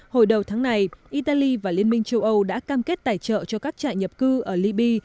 hồi đầu tháng này italy và liên minh châu âu đã cam kết tài trợ cho các trại nhập cư ở libya